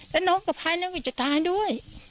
และน้องกระพายหนูก็จะตายด้วย